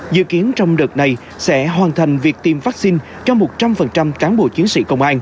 dự kiến trong đợt này sẽ hoàn thành việc tiêm vaccine cho một trăm linh cán bộ chiến sĩ